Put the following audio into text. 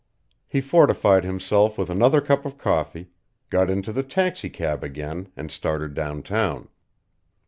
He fortified himself with another cup of coffee, got into the taxicab again, and started downtown.